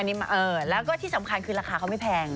อันนี้แล้วก็ที่สำคัญคือราคาเขาไม่แพง